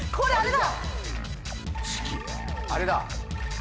あれだ！